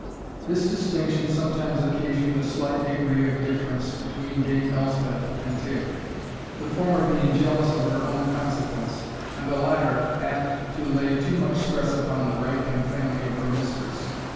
This distinction sometimes occasioned a slight degree of difference between Dame Elspeth and Tibb; the former being jealous of her own consequence, and the latter apt to lay too much stress upon the rank and family of her mistress.